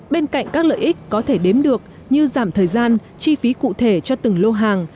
bên cạnh các lợi ích có thể đếm được như giảm thời gian chi phí cụ thể cho từng lô hàng